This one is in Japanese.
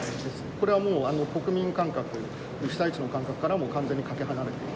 これはもう、国民感覚、被災地の感覚からも完全にかけ離れている。